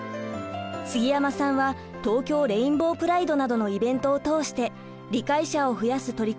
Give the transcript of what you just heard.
杉山さんは東京レインボープライドなどのイベントを通して理解者を増やす取り組みに力を入れています。